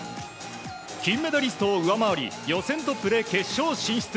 金メダリストを上回り予選トップで決勝進出。